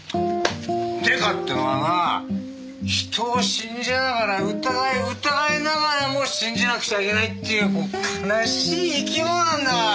デカってのはなぁ人を信じながら疑い疑いながらも信じなくちゃいけないっていう悲しい生き物なんだよ。